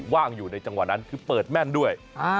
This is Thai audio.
ว่างอยู่ในจังหวะนั้นคือเปิดแม่นด้วย